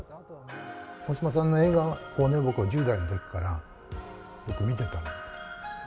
大島さんの映画を僕は１０代のときからよく見てたの。